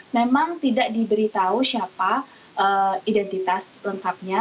memang tidak diberitahu siapa identitas lengkapnya